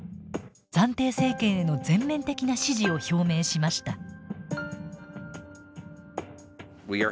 暫定政権への全面的な支持を表明しました。